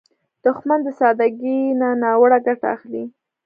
دښمن د سادګۍ نه ناوړه ګټه اخلي